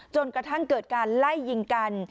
จนกระทั่งเกิดการไล่ยิงกัน